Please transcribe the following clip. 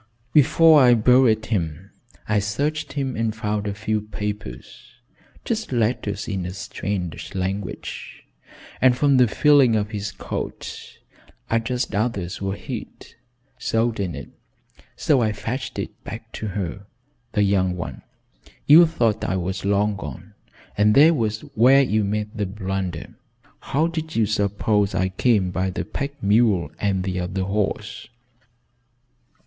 "Before I buried him I searched him and found a few papers just letters in a strange language, and from the feeling of his coat I judged others were hid sewed in it, so I fetched it back to her the young one. You thought I was long gone, and there was where you made the blunder. How did you suppose I came by the pack mule and the other horse?"